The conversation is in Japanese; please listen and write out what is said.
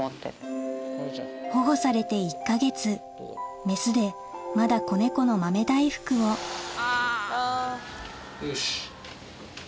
保護されて１か月メスでまだ子猫の豆大福をよし。